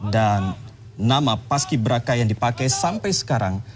dan nama paski berakah yang dipakai sampai sekarang